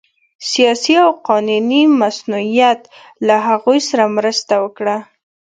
سیاسي او قانوني مصونیت له هغوی سره مرسته وکړه